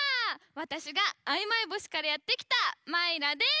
わたしがあいまい星からやってきたマイラです！